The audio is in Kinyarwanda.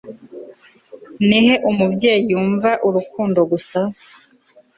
Ni he umubyeyi yumva urukundo gusa